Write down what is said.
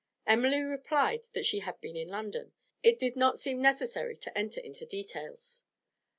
Emily replied that she had been in London; it did not seem necessary to enter into details.